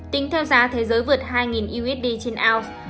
tính theo giá thế giới vượt hai usd trên ounce